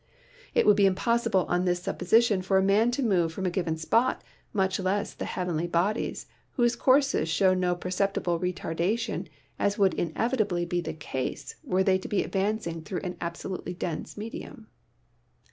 It would be impossible on this sup position for a man to move from a given spot, much less the heavenly bodies, whose courses show no perceptible retardation, as would inevitably be the case were they to be advancing through an absolutely dense medium.